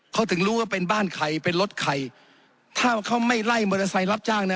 เขาถึงรู้ว่าเป็นบ้านใครเป็นรถใครถ้าเขาไม่ไล่มอเตอร์ไซค์รับจ้างนะ